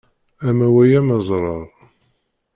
Amaway amazrar.